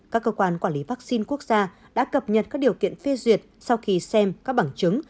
các cơ quan quản lý vaccine quốc gia đã cập nhật các điều kiện phê duyệt sau khi xem các bằng chứng